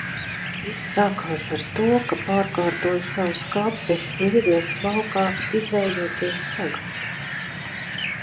Viss sākās ar to, ka pārkārtoju savu skapi un iznesu laukā izvējoties segas.